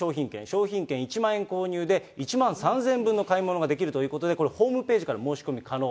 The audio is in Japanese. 商品券１万円購入で１万３０００円分の買い物ができるということで、これ、ホームページから申し込み可能。